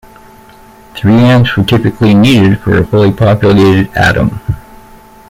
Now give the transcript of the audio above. Three amps were typically needed for a fully populated Atom.